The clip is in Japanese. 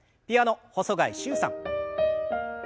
ピアノ細貝柊さん。